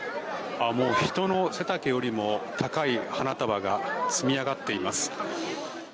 もう人の背丈よりも高い花束が積み上がっています。